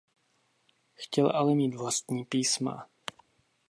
Chtěl ale mít vlastní písma.